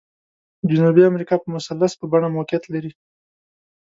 جنوبي امریکا په مثلث په بڼه موقعیت لري.